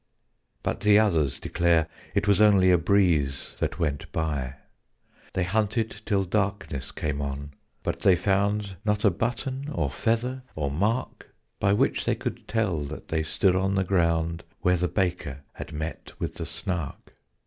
but the others declare It was only a breeze that went by. [Illustration: "THEN, SILENCE"] They hunted till darkness came on, but they found Not a button, or feather, or mark, By which they could tell that they stood on the ground Where the Baker had met with the Snark.